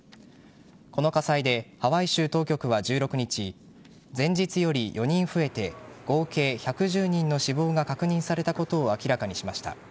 この火災でハワイ州当局は１６日前日より４人増えて合計１１０人の死亡が確認されたことを明らかにしました。